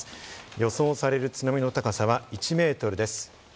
予想される津波の高さは１ｍです。